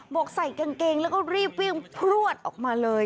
บกใส่กางเกงแล้วก็รีบพรวดออกมาเลย